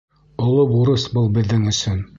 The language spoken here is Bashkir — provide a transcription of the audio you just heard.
Оло бурыс был беҙҙең өсөн.